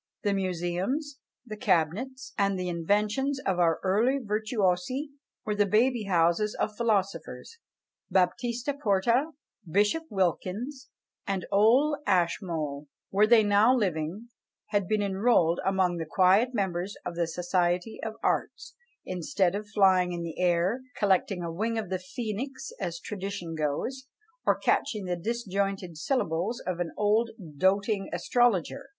The museums, the cabinets, and the inventions of our early virtuosi were the baby houses of philosophers. Baptista Porta, Bishop Wilkins, and old Ashmole, were they now living, had been enrolled among the quiet members of "The Society of Arts," instead of flying in the air, collecting "a wing of the phoenix, as tradition goes;" or catching the disjointed syllables of an old doting astrologer.